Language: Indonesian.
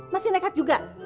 masih nekat juga